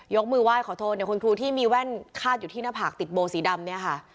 มือไหว้ขอโทษคุณครูที่มีแว่นคาดอยู่ที่หน้าผากติดโบสีดำเนี่ยค่ะ